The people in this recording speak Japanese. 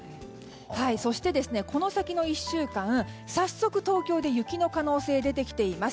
そして、この先の１週間早速、東京で雪の可能性が出てきています。